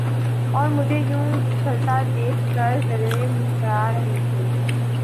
اور مجھے یوں اچھلتا دیکھ کر زیرلب مسکرا رہے تھے